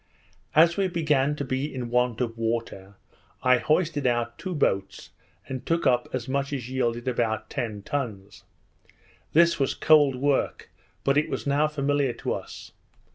As we began to be in want of water, I hoisted out two boats and took up as much as yielded about ten tons. This was cold work, but it was now familiar to us.